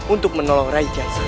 untuk menolong rai kiansat